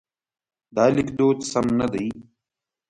دا لیکدود سم نه دی.